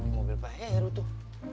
mobil pak heru tuh